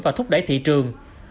và thúc đẩy thị trường